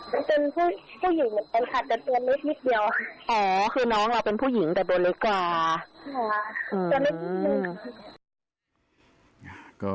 อ๋อแต่นิดนิดนึง